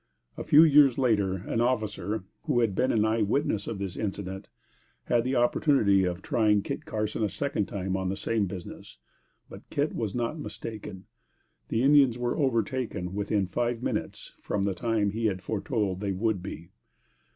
A few years later, an officer, who had been an eye witness of this incident, had the opportunity of trying Kit Carson a second time on the same business, but Kit was not mistaken. The Indians were overtaken within five minutes from the time he had foretold they would be.